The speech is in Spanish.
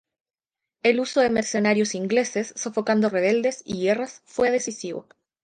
El uso de mercenarios ingleses sofocando rebeldes y guerras fue decisivo.